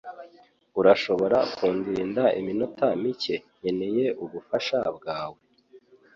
Urashobora kundinda iminota mike? Nkeneye ubufasha bwawe.